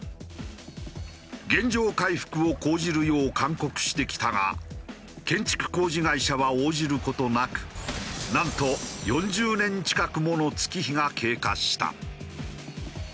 原状回復を講じるよう勧告してきたが建築工事会社は応じる事なくなんと４０年近くもの月日が経過した。